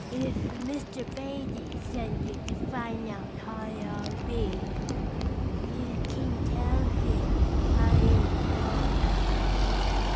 "If Mr. Brady sent you to find out how I be, you kin tell him I ain't no better.